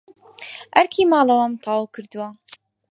ئەرکی ماڵەوەم تەواو کردووە.